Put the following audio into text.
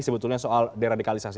sebetulnya soal diradikalisasi